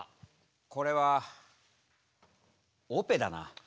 これはオペだな。